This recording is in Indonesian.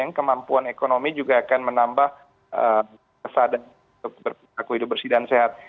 yang kemampuan ekonomi juga akan menambah kesadaran untuk berperilaku hidup bersih dan sehat